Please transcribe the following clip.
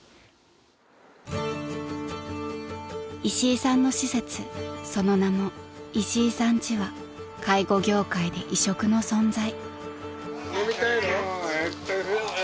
［石井さんの施設その名も「いしいさん家」は介護業界で異色の存在］